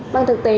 bằng thực tế